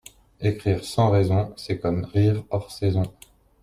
Écrire sans raison, c’est comme rire hors saison.